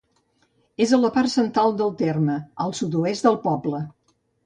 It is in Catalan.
És a la part central del terme, al sud-oest del poble.